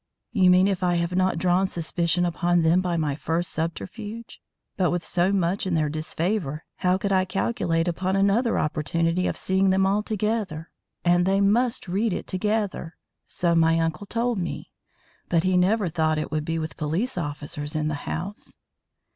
"You mean if I have not drawn suspicion upon them by my first subterfuge. But with so much in their disfavour, how could I calculate upon another opportunity of seeing them all together. And they must read it together. So my uncle told me. But he never thought it would be with police officers in the house."